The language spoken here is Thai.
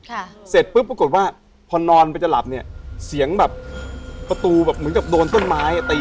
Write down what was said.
เสร็จปุ๊บปรากฏว่าพอนอนไปจะหลับเนี้ยเสียงแบบประตูแบบเหมือนกับโดนต้นไม้อ่ะตี